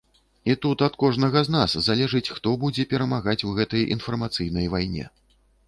І тут ад кожнага з нас залежыць, хто будзе перамагаць у гэтай інфармацыйнай вайне.